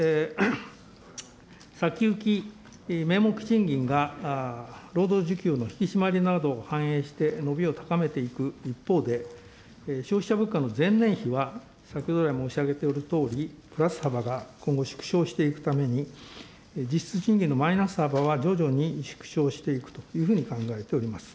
先行き名目賃金が労働需給の引き締まりなどを反映して伸びを高めていく一方で、消費者物価の前年比は先ほどらい申し上げておるとおり、プラス幅が今後縮小していくために、実質賃金のマイナス幅は徐々に縮小していくというふうに考えております。